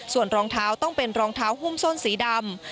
ส่วนรองเท้าต้องเป็นรองเท้าหุ้มส้นสีดำ